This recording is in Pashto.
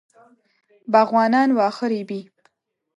باغوانان واښه رېبي.